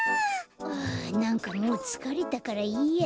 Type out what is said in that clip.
はあなんかもうつかれたからいいや。